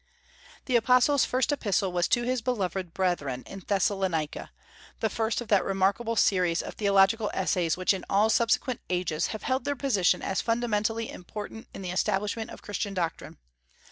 The apostle's first epistle was to his beloved brethren, in Thessalonica, the first of that remarkable series of theological essays which in all subsequent ages have held their position as fundamentally important in the establishment of Christian doctrine.